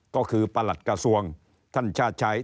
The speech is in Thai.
ก็คือประหลัดกระทรวงท่านชาติชัย